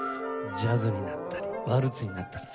ジャズになったりワルツになったり。